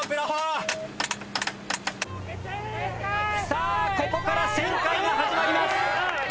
さあここから旋回が始まります。